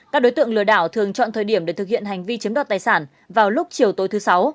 các đối tượng lừa đảo thường chọn thời điểm để thực hiện hành vi chiếm đoạt tài sản vào lúc chiều tối thứ sáu